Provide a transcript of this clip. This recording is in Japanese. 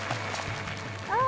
あ！